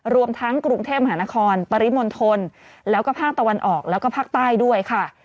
รวมทั้งกรุงเทพมหานครปริมณฑลแล้วก็ภาคตะวันออกแล้วก็ภาคใต้ด้วยค่ะ